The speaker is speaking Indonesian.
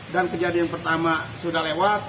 dan kejadian pertama sudah lewat